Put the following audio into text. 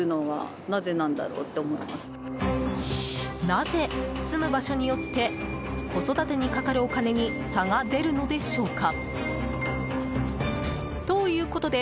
なぜ、住む場所によって子育てにかかるお金に差が出るのでしょうか。